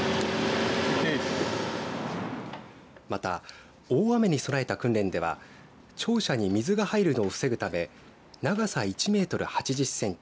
また、大雨に備えた訓練では庁舎に水が入るのを防ぐため長さ１メートル８０センチ